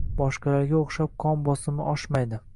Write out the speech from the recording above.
boshqalarga o‘xshab qon bosimi oshmaydi